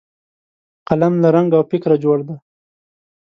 قلم له رنګ او فکره جوړ دی